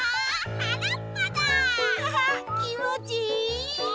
きもちいい。